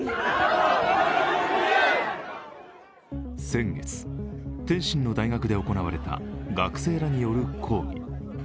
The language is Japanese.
先月、天津の大学で行われた学生らによる抗議。